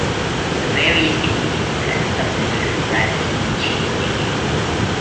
The berries can be used as a substitute for rennet in cheesemaking.